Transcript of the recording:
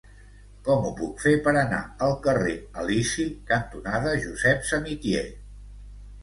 Com ho puc fer per anar al carrer Elisi cantonada Josep Samitier?